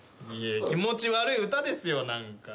気持ち悪い歌ですよ何か。